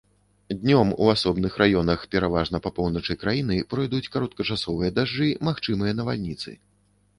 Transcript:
Днём у асобных раёнах, пераважна па поўначы краіны, пройдуць кароткачасовыя дажджы, магчымыя навальніцы.